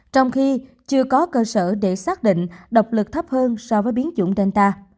trong khi chưa có cơ sở để xác định độc lực thấp hơn so với biến chủng delta